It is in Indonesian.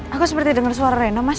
aku seperti denger suara rena mas